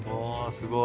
すごい。